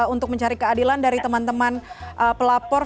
untuk mencari keadilan dari teman teman pelapor